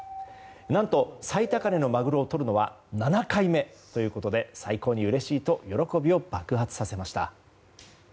何と、最高値のマグロをとるのは７回目ということで最高にうれしいと喜びを爆発させました。